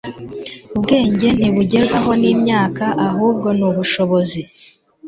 ubwenge ntibugerwaho n'imyaka, ahubwo ni ubushobozi